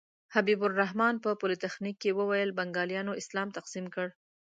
حبیب الرحمن په پولتخنیک کې وویل بنګالیانو اسلام تقسیم کړ.